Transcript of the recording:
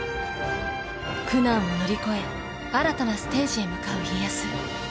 苦難を乗り越え新たなステージへ向かう家康。